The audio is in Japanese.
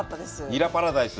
にらパラダイス。